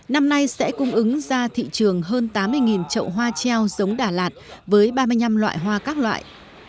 năm nay sẽ cung ứng ra thị trường hơn tám mươi trậu hoa treo giống đà lạt với ba mươi năm loại hoa các loại